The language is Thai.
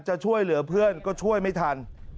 จะช่วยเหลือเพื่อนก็ช่วยไม่ทัน